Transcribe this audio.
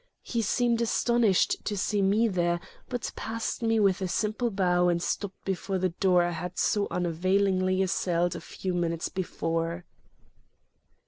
He seemed astonished to see me there, but passed me with a simple bow and stopped before the door I had so unavailingly assailed a few minutes before.